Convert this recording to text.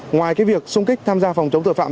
ngoài việc sung kích tham gia phòng chống tội phạm